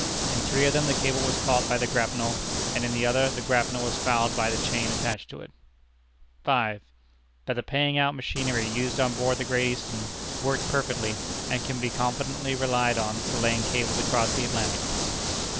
In three of them the cable was caught by the grapnel, and in the other the grapnel was fouled by the chain attached to it. 5. That the paying out machinery used on board the Great Eastern worked perfectly, and can be confidently relied on for laying cables across the Atlantic.